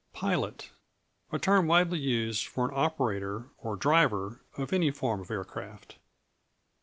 Pilot A term widely used for an operator, or driver, of any form of aircraft.